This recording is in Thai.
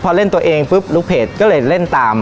พอเล่นตัวเองปุ๊บลูกเพจก็เลยเล่นตาม